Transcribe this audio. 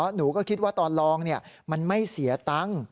หนูก็คิดว่าตอนลองมันไม่เสียตังค์